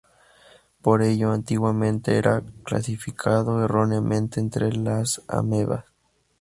Por ello, antiguamente era clasificado erróneamente entre las amebas.